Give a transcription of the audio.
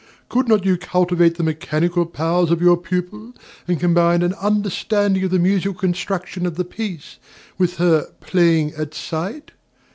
Could not you cultivate the mechanical powers of your pupil, and combine an understanding of the musical construction of the piece, with her "playing at sight"?